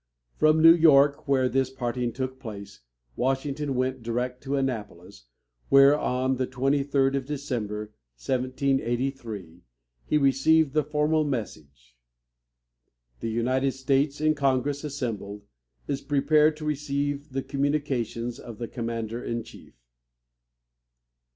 From New York, where this parting took place, Washington went direct to Annapolis, where, on the 23d of December, 1783, he received the formal message: "The United States, in Congress assembled, is prepared to receive the communications of the commander in chief."